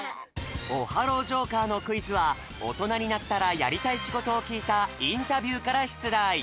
オハロージョーカーのクイズはおとなになったらやりたいしごとをきいたインタビューからしゅつだい。